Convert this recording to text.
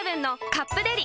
「カップデリ」